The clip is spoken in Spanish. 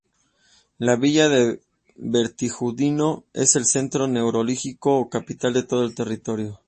La villa de Vitigudino es el centro neurálgico o capital de todo el territorio.